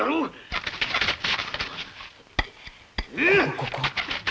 ここ。